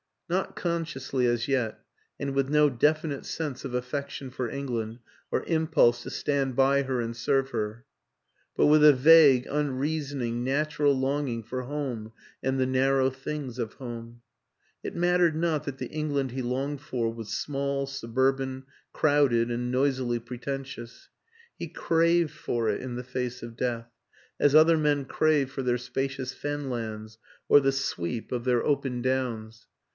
Not consciously as yet and with no definite sense of affection for England or impulse to stand by her and serve her; but with a vague, unreasoning, natural longing for home and the narrow things of home. It mattered not that the England he longed for was small, suburban, crowded and noisily pretentious; he craved for it in the face of death, as other men crave for their spacious fenlands or the sweep of their open 114 WILLIAM AN ENGLISHMAN downs.